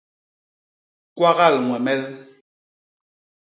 Kwagal ñwemel.